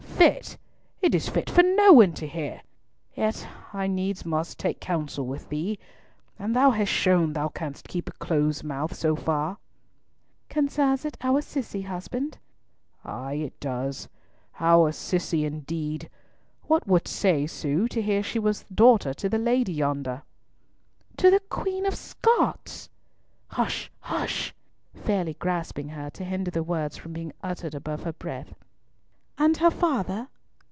"Fit! It is fit for no one to hear! Yet I needs must take counsel with thee, and thou hast shown thou canst keep a close mouth so far." "Concerns it our Cissy, husband?" "Ay does it Our Cissy, indeed! What wouldst say, Sue, to hear she was daughter to the lady yonder." "To the Queen of Scots?" "Hush! hush!" fairly grasping her to hinder the words from being uttered above her breath. "And her father?"